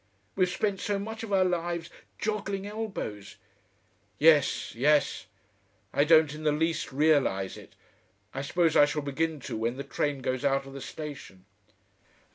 We've spent so much of our lives joggling elbows."... "Yes. Yes. I don't in the least realise it. I suppose I shall begin to when the train goes out of the station.